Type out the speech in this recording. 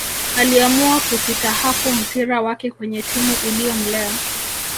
Aliamua kusitahafu mpira wake kwenye timu iliyomlea